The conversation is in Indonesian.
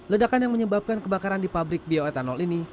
ledakan yang menyebabkan kebakaran di pabrik bioetanol ini